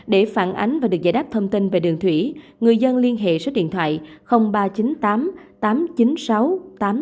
để phản ánh và được giải đáp thông tin về đường thủy người dân liên hệ số điện thoại chín trăm một mươi sáu năm trăm sáu mươi hai một trăm một mươi chín của cục hàng không việt nam